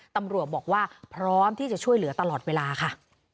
ตำรวจบอกว่าพร้อมที่จะช่วยเหลือตลอดเวลาค่ะ